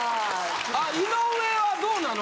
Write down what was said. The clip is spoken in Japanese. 井上はどうなの？